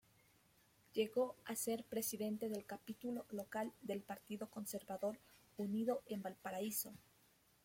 Llegó a ser presidente del capítulo local del Partido Conservador Unido en Valparaíso.